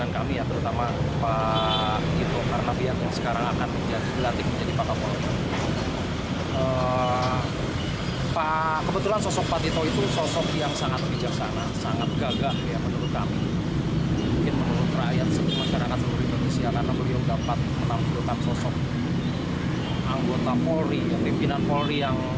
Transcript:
kami lima band merupakan grup musik yang terdiri dari lima anggota polres cianjur